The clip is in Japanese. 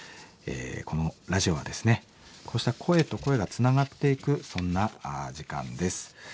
このラジオはですねこうした声と声がつながっていくそんな時間です。